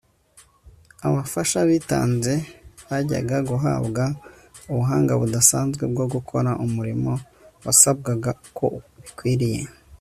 abafasha bitanze bajyaga guhabwa ubuhanga budasanzwe bwo gukora umurimo wasabwaga uko bikwiriye